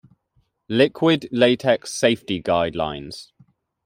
"Liquid latex safety guidelines"